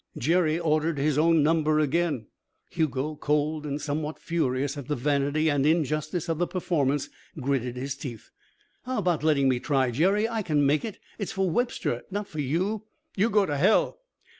Jerry ordered his own number again. Hugo, cold and somewhat furious at the vanity and injustice of the performance, gritted his teeth. "How about letting me try, Jerry? I can make it. It's for Webster not for you." "You go to hell."